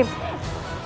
menyusul kian santang